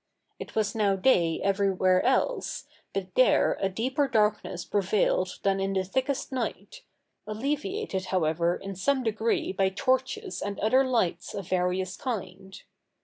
It was now day everywhere else, but there a deeper darkness prevailed than in the thickest night, alleviated, however, in some degree by torches and other lights of various kinds.